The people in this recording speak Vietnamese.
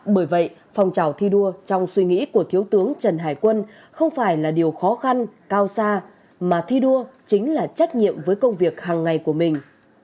bởi vậy phòng trào thi đua trong suy nghĩ của thiếu tướng trần hải quân không phải là điều khó khăn cao xa mà thi đua chính là trách nhiệm với công việc hàng ngày của mình